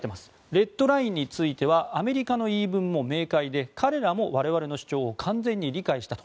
レッドラインについてはアメリカの言い分も明快で彼らも我々の主張を完全に理解したと。